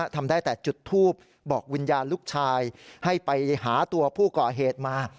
ทำได้แต่จุดทูบบอกวิญญาณลูกชายให้ไปหาตัวผู้ก่อเหตุมา